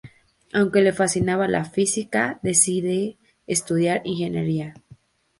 Aunque le fascinaba la física, decide estudiar ingeniería.